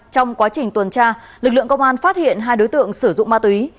trong quá trình tuần tra lực lượng công an phát hiện hai đối tượng sử dụng ma túy